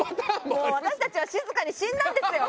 もう私たちは静かに死んだんですよ。